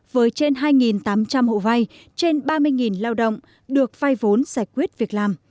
với trên hai tám trăm linh hộ vay trên ba mươi lao động được vay vốn giải quyết việc làm